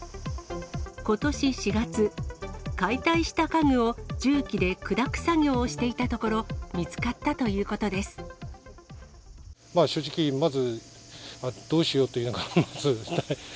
ことし４月、解体した家具を重機で砕く作業をしていたところ、見つかったとい正直、まずどうしようという気持ちでした。